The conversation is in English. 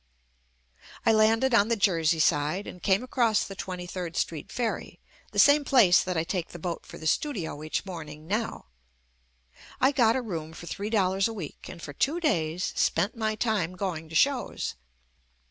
I landed on the Jersey side and came across the Twenty third Street Ferry, the same place that I take the boat for the studio each morn ing now. I got a room for three dollars a week and for two days spent my time going to shows.